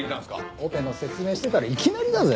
オペの説明してたらいきなりだぜ。